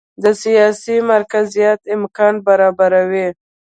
د سیاسي مرکزیت امکان برابروي.